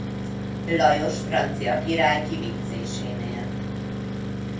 Lajos francia király kivégzésénél.